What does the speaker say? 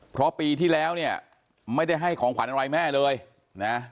เพราะปีที่แล้วเนี่ยไม่ได้ให้ของขวัญอะไรแม่เลยนะ